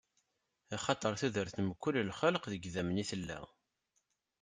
Axaṭer tudert n mkul lxelq deg idammen i tella.